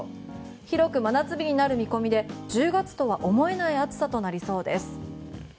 広く真夏日になる見込みで１０月とは思えない暑さとなりそうです。